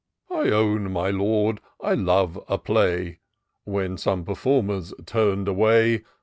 " I own, my Lord, I love a play — When some performer's turn'd away.